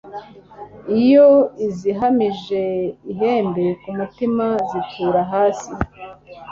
iyo izihamije ihembe ku mutima zitura hasi